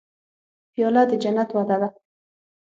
پیاله د جنت وعده ده.